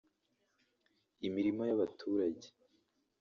imirima y’abaturage